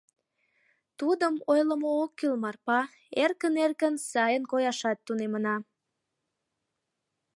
Тудым ойлымо ок кӱл, Марпа, эркын-эркын сайын кояшат тунемына.